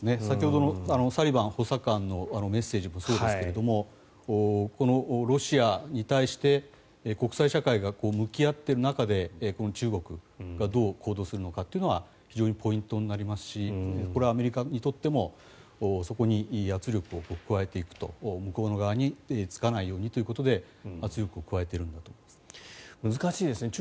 先ほどのサリバン補佐官のメッセージもそうですがこのロシアに対して国際社会が向き合っている中でこの中国がどう行動するのかっていうのは非常にポイントになりますしこれはアメリカにとってもそこに圧力を加えていく向こうの側につかないようにということで圧力を加えているんだと思います。